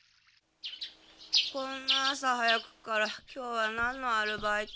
こんな朝早くから今日はなんのアルバイト？